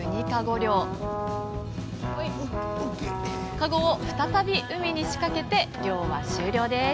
かごを再び海に仕掛けて漁は終了です